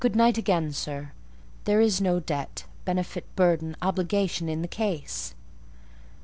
"Good night again, sir. There is no debt, benefit, burden, obligation, in the case."